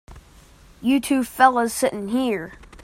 You two fellas sit in here.